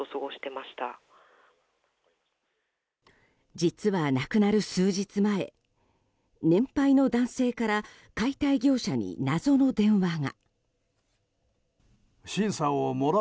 実は、なくなる数日前年配の男性から解体業者に謎の電話が。